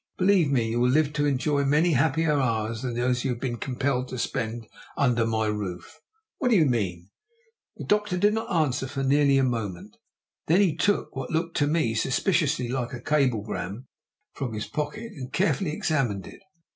"Believe me, you will live to enjoy many happier hours than those you have been compelled to spend under my roof!" "What do you mean?" The doctor did not answer for nearly a moment; then he took what looked to me suspiciously like a cablegram form from his pocket and carefully examined it.